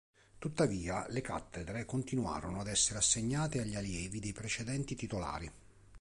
Tuttavia, le cattedre continuarono ad essere assegnate agli allievi dei precedenti titolari.